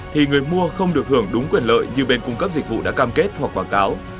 thì người mua không được hưởng đúng quyền lợi như bên cung cấp dịch vụ đã cam kết hoặc quảng cáo